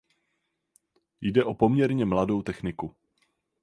Jde o poměrně mladou techniku.